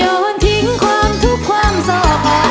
ยอดทิ้งความทุกขวามศอกออก